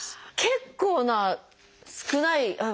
結構な少ない。